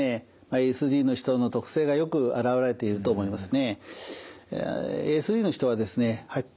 ＡＳＤの人の特性がよく表れていると思いますね。